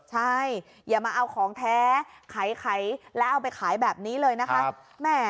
ใช่อย่ามาเอาของแท้ขายแล้วเอาไปขายแบบนี้เลยนะคะ